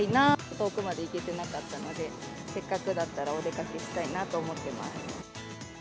遠くまで行けてなかったので、せっかくだからお出かけしたいなと思ってます。